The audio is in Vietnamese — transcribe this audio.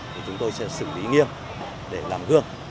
thì chúng tôi sẽ xử lý nghiêm để làm gương